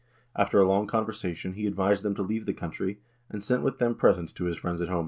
After a long conversation he advised them to leave the country, and sent with them presents to his friends at home.